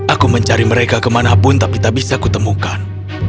aku mencari mereka kemana pun tapi tak bisa kutemukan